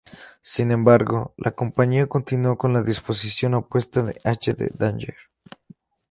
Sin embargo, la compañía continuó con la disposición opuesta en H del Dagger.